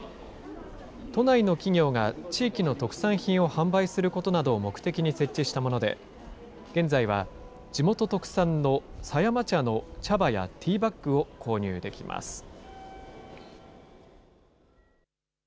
都内の企業が、地域の特産品を販売することなどを目的に設置したもので、現在は、地元特産の狭山茶の茶葉やティーバッグを購入できます。